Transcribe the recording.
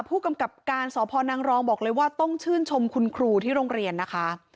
ผู้กำกับการสพนังรองบอกเลยว่าต้องชื่นชมคุณครูที่โรงเรียนนะคะ